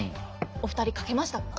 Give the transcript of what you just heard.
お二人書けましたか。